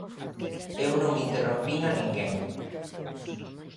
Eu non interrompín a ninguén.